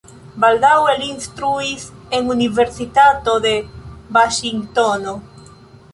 Baldaŭe li instruis en universitato de Vaŝingtono.